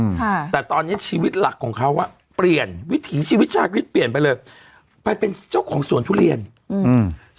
ค่ะแต่ตอนเนี้ยชีวิตหลักของเขาอ่ะเปลี่ยนวิถีชีวิตชาคริสเปลี่ยนไปเลยไปเป็นเจ้าของสวนทุเรียนอืม